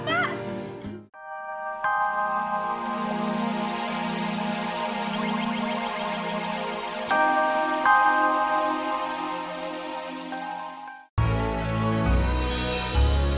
bibir ga selesai